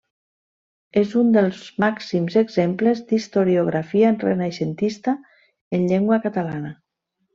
És un dels màxims exemples d'historiografia renaixentista en llengua catalana.